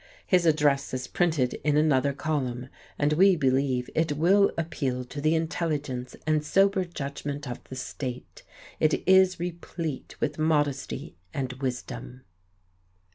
His address is printed in another column, and we believe it will appeal to the intelligence and sober judgment of the state. It is replete with modesty and wisdom."